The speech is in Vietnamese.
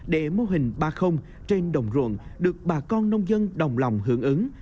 để mô hình ba trên đồng ruộng được bà con nông dân đồng lòng hưởng ứng